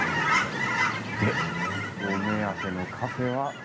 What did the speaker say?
でお目当てのカフェは。